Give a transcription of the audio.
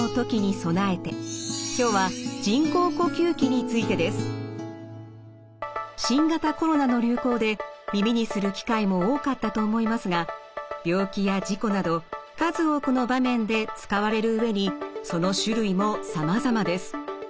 今日は人工呼吸器についてです。新型コロナの流行で耳にする機会も多かったと思いますが病気や事故など数多くの場面で使われる上にその種類もさまざまです。